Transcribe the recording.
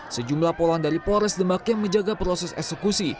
sejumlah polan dari polres demak yang menjaga proses eksekusi